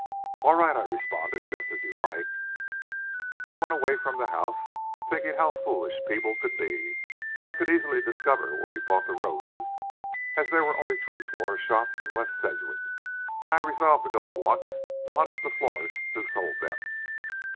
"All right," I responded, "just as you like." I went away from the house, thinking how foolish people could be. I could easily discover where he bought the roses, as there were only three florists' shops in West Sedgwick and I resolved to go at once to hunt up the florist who sold them.